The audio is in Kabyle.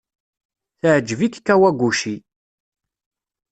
Teɛjeb-ik Kawaguchi.